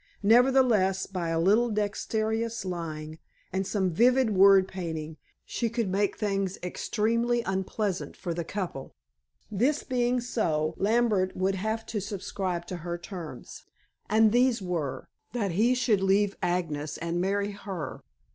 Nevertheless, by a little dexterous lying, and some vivid word painting, she could make things extremely unpleasant for the couple. This being so, Lambert would have to subscribe to her terms. And these were, that he should leave Agnes and marry her.